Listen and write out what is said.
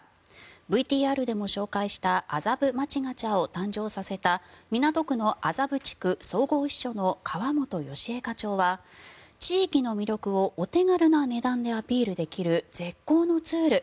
ＶＴＲでも紹介した麻布街ガチャを誕生させた港区の麻布地区総合支所の河本良江課長は地域の魅力をお手軽な値段でアピールできる絶好のツール。